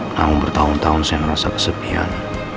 namun bertahun tahun saya merasa kesepian